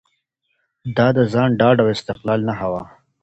دا د ځان ډاډ او استقلال نښه وه.